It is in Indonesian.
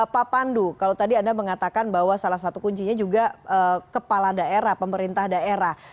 pak pandu kalau tadi anda mengatakan bahwa salah satu kuncinya juga kepala daerah pemerintah daerah